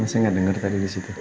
oh saya gak denger tadi disitu